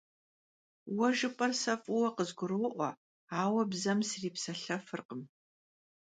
Vue jjıp'er se f'ıue khızguro'ue, aue bzem sripselhefırkhım.